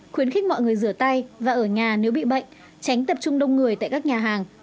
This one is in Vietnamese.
khuyến khích mọi người rửa tay và ở nhà nếu bị bệnh tránh tập trung đông người tại các nhà hàng